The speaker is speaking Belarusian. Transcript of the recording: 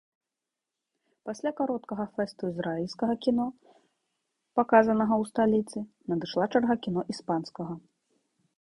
Пасля кароткага фэсту ізраільскага кіно, паказанага ў сталіцы, надышла чарга кіно іспанскага.